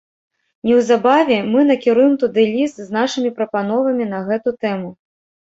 Неўзабаве мы накіруем туды ліст з нашымі прапановамі на гэту тэму.